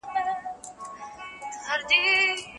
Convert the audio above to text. تخنیک د تولید د پراختیا لپاره اساسي اړتیا ده.